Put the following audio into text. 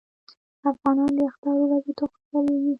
افغانان د اختر ورځو ته خوشحالیږي.